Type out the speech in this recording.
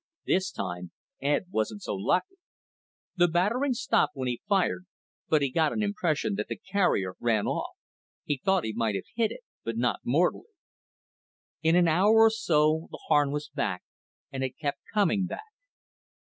This time, Ed wasn't so lucky. The battering stopped when he fired, but he got an impression that the carrier ran off. He thought he might have hit it, but not mortally. In an hour or so the Harn was back, and it kept coming back.